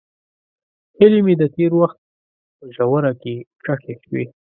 هیلې مې د تېر وخت په ژوره کې ښخې شوې.